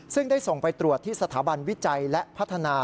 ซึ่งได้ส่งไปตรวจที่สถาบันวิจัยและพัฒนา